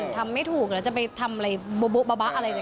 ทำไม่ถูกแล้วจะไปทำอะไรเบาอะไรอย่างนี้